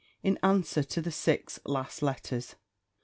in answer to the six last Letters.